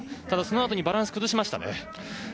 ただ、そのあとにバランスを崩しましたね。